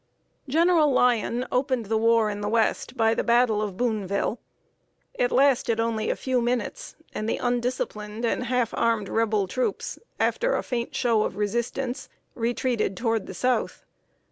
General Lyon opened the war in the West by the battle of Booneville. It lasted only a few minutes, and the undisciplined and half armed Rebel troops, after a faint show of resistance, retreated toward the South.